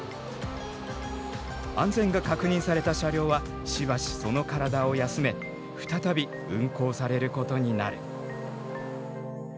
安全が確認された車両はしばしその体を休め再び運行されることになる。